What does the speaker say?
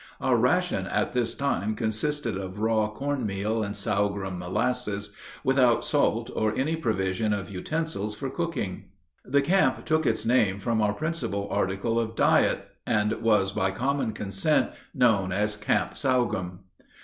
Our ration at this time consisted of raw corn meal and sorghum molasses, without salt or any provision of utensils for cooking. The camp took its name from our principal article of diet, and was by common consent known as "Camp Sorghum."